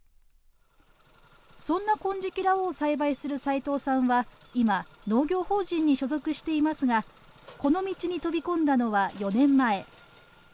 そんな金色羅皇を栽培する齋藤さんは、今、農業法人に所属していますが、この道に飛び込んだのは４年前。